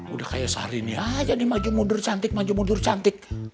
udah kayak sehari ini aja nih maju mundur cantik maju mundur cantik